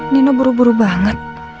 nino buru buru banget